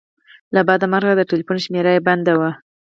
له بده مرغه د ټیلیفون شمېره یې بنده وه.